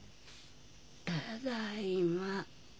ただいま。